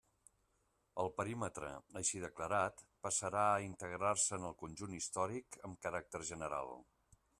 El perímetre així declarat passarà a integrar-se en el conjunt històric amb caràcter general.